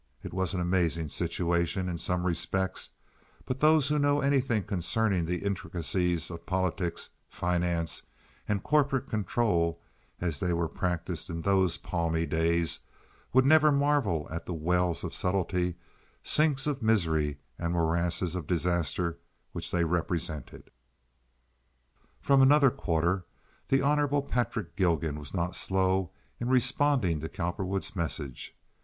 It was an amazing situation in some respects, but those who know anything concerning the intricacies of politics, finance, and corporate control, as they were practised in those palmy days, would never marvel at the wells of subtlety, sinks of misery, and morasses of disaster which they represented. From another quarter, the Hon. Patrick Gilgan was not slow in responding to Cowperwood's message.